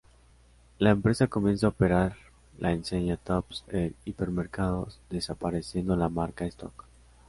La empresa comienza a operar la enseña Tops en hipermercados, desapareciendo la marca Stock.